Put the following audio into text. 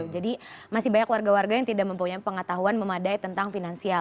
jadi masih banyak warga warga yang tidak mempunyai pengetahuan memadai tentang finansial